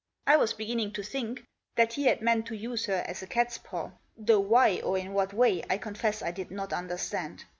I was beginning to think that he had meant to use her as a catspaw, though why, or in what way, I confess I did not understand.